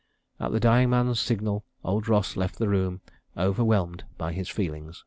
At the dying man's signal, old Ross left the room overwhelmed by his feelings."